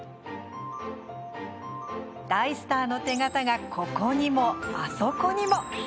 大スターの手形がここにも、あそこにも。